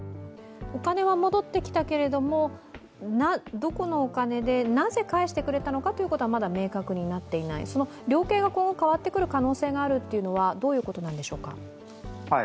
お金は戻ってきたけれどもどこのお金でなぜ返してくれたのかというのはまだ明確になっていない、量刑が今後変わってくる可能性があるというのはどういうことなのでしょうか。